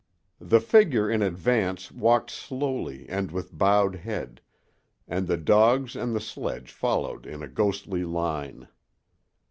The figure in advance walked slowly and with bowed head, and the dogs and the sledge followed in a ghostly line.